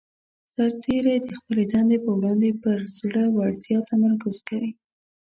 سرتیری د خپلې دندې په وړاندې پر زړه ورتیا تمرکز کوي.